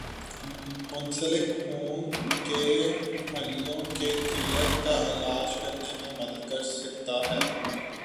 منسلک خون کے خلیوں کی قلت کا علاج کرنے میں مدد کر سکتا ہے